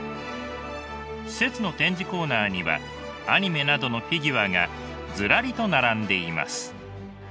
施設の展示コーナーにはアニメなどのフィギュアがズラリと並んでいます。